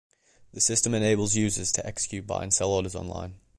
The system enables users to execute buy and sell orders online.